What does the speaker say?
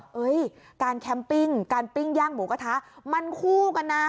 เฮ้ยการแคมปิ้งการปิ้งย่างหมูกระทะมันคู่กันนะ